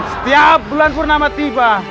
setiap bulan purnama tiba